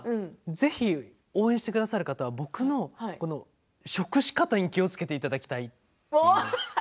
ぜひ応援してくださる方僕の食し方に気をつけていただきたい。